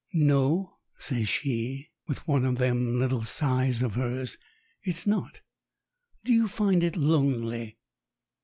"No," says she, with one of them little sighs of hers, "it's not. Do you find it lonely?"